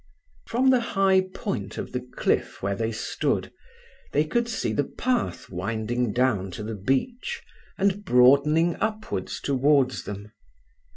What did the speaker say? From the high point of the cliff where they stood, they could see the path winding down to the beach, and broadening upwards towards them.